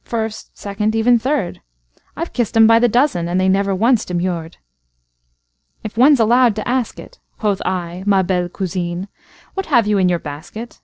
First, second, even third,—I 've kissed 'em by the dozen, And they never once demurred."If one's allowed to ask it,"Quoth I, "Ma belle cousine, What have you in your basket?"